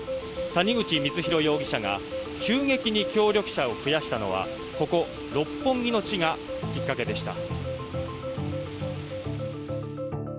谷口光弘容疑者が急激に協力者を増やしたのはここ、六本木の地がきっかけでした。